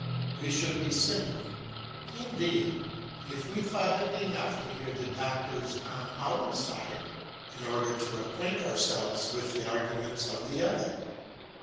We should be simple, indeed, if we thought it enough to hear the doctors on our own side, in order to acquaint ourselves with the arguments of the other.